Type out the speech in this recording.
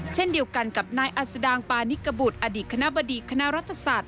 เช่นเดียวกันกับนายอัศดางปานิกบุตรอดีตคณะบดีคณะรัฐศาสตร์